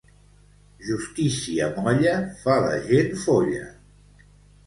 Justícia molla fa la gent folla.